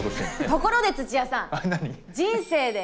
ところで土屋さん。何？